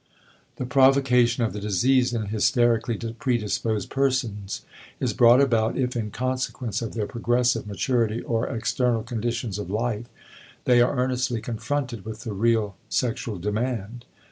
The provocation of the disease in hysterically predisposed persons is brought about if in consequence of their progressive maturity or external conditions of life they are earnestly confronted with the real sexual demand.